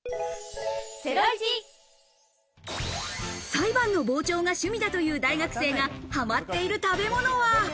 裁判の傍聴が趣味だという大学生がはまっている食べ物は。